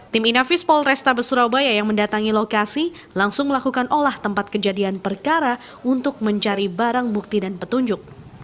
tim inafis polrestabes surabaya yang mendatangi lokasi langsung melakukan olah tempat kejadian perkara untuk mencari barang bukti dan petunjuk